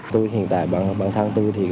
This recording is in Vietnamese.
tôi hiện tại bản thân tôi